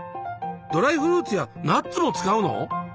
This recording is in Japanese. ドライフルーツやナッツも使うの？